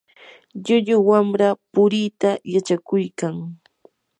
llullu wamra puriita yachakuykan.